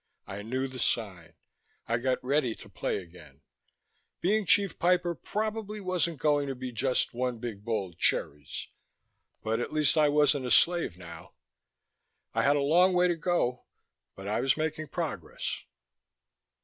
I knew the sign. I got ready to play again. Being Chief Piper probably wasn't going to be just one big bowl of cherries, but at least I wasn't a slave now. I had a long way to go, but I was making progress.